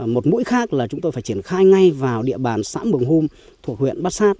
một mũi khác là chúng tôi phải triển khai ngay vào địa bàn xã mường hung thuộc huyện bát sát